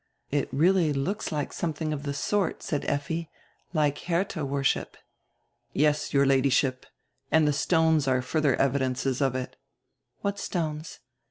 "It really looks like something of die sort," said Effi, "like Herdia worship." "Yes, your Ladyship, and die stones are furdier evi dences of it." "What stones?"